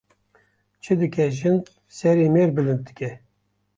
Çi dike jin serê mêr bilind dike